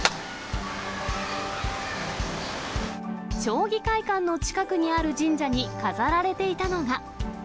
将棋会館の近くにある神社に飾られていたのが。